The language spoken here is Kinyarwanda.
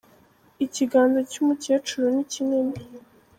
Ikiganza cy'umukecuru ni kinini.